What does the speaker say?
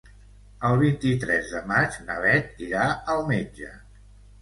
El vint-i-tres de maig na Beth irà al metge.